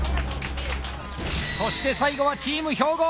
そして最後はチーム兵庫。